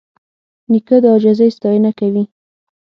نیکه د عاجزۍ ستاینه کوي.